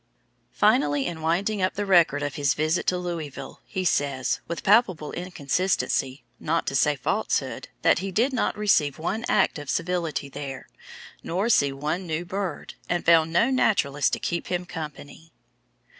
Finally, in winding up the record of his visit to Louisville, he says, with palpable inconsistency, not to say falsehood, that he did not receive one act of civility there, nor see one new bird, and found no naturalist to keep him company.